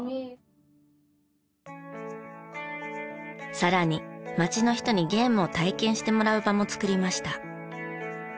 さらに町の人にゲームを体験してもらう場も作りました。